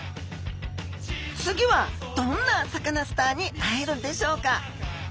次はどんなサカナスターに会えるんでしょうか。